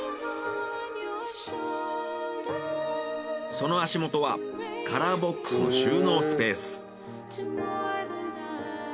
その足元はカラーボックスの収納スペース。